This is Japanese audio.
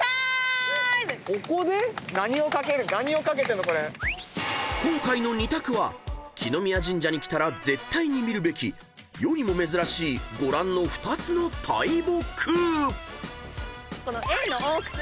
何を懸けての⁉［今回の２択は來宮神社に来たら絶対に見るべき世にも珍しいご覧の２つの大木］